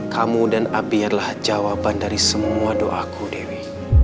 kamu dan api adalah jawaban dari semua doaku dewi